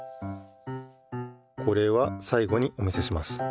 これはさい後にお見せします。